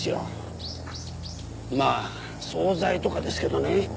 まあ総菜とかですけどね。